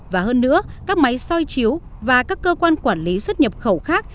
và hơn nữa các máy soi chiếu và các cơ quan quản lý xuất nhập khẩu khác